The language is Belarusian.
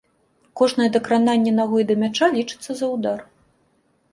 Кожнае дакрананне нагой да мяча лічыцца за ўдар.